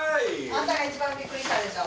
あんたが一番びっくりしたでしょ？